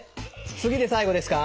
次で最後ですか？